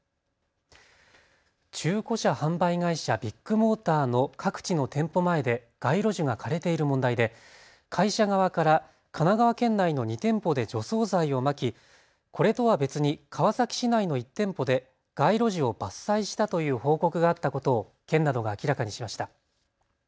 中古車販売会社、ビッグモーターの各地の店舗前で街路樹が枯れている問題で会社側から神奈川県内の２店舗で除草剤をまきこれとは別に川崎市内の１店舗で街路樹を伐採したという報告があったことを県などが明らかにしました。